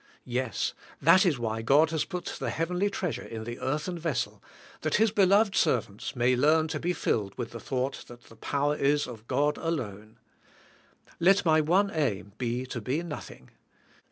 Yes, that is why God has put the heavenly treasure in the earthen vessel, that His beloved servants may learn to be filled with the thought that the power is of God alone. Let my one aim be to be nothing.